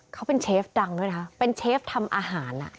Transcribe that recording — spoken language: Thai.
เขาเป็นเชฟดังด้วยนะเป็นเชฟทำอาหาร